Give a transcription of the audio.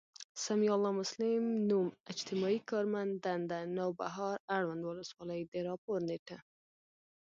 سمیع الله مسلم، نـــوم، اجتماعي کارمنددنــده، نوبهار، اړونــد ولسـوالـۍ، د راپــور نیــټه